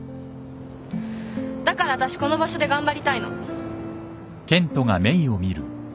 だからわたしこの場所で頑張りたいの。